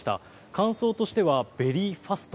感想としてはベリーファスト。